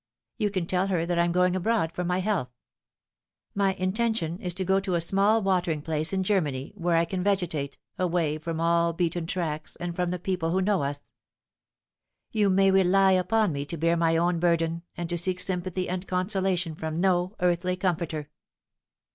You can tell her that I am going abroad for my health. My intention is to go to some small watering place in Germany, where I can vegetate, away from all beaten tracks, and from the people who know us. You may rely upon me to bear my own burden, and to seek sympathy and consolation from no earthly comforter.